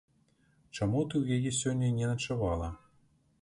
Чаму ты ў яе сёння не начавала?